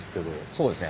そうですね